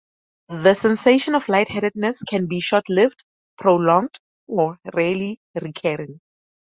The sensation of lightheadedness can be short-lived, prolonged, or, rarely, recurring.